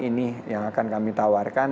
ini yang akan kami tawarkan